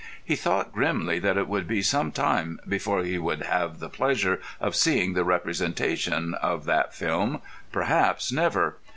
He thought grimly that it would be some time before he would have the pleasure of seeing the representation of that film—perhaps never.